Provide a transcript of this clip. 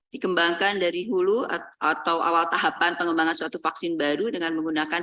dikembangkan dari hulu atau awal tahapan pengembangan suatu vaksin baru dengan menggunakan